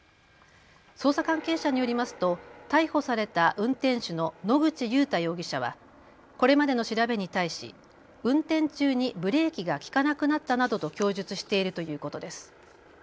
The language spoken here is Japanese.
捜査関係者によりますと逮捕された運転手の野口祐太容疑者はこれまでの調べに対し運転中にブレーキが利かなくなったなどと供述しているということです。